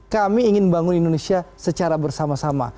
kami ingin bangun indonesia secara bersama sama